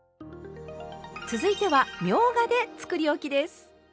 続いてはみょうがでつくりおきです！